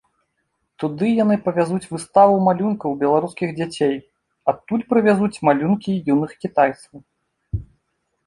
Туды яны павязуць выставу малюнкаў беларускіх дзяцей, адтуль прывязуць малюнкі юных кітайцаў.